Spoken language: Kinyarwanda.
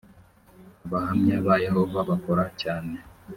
abahamya ba yehova bakora cyane.